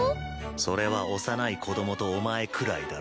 それは幼い子どもとお前くらいだろ。